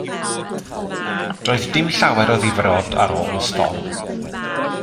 Doedd dim llawer o ddifrod ar ôl y storm.